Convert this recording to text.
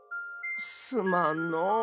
すまんのう。